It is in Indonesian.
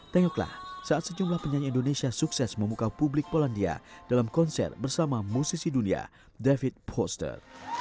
tengoklah saat sejumlah penyanyi indonesia sukses memukau publik polandia dalam konser bersama musisi dunia david poster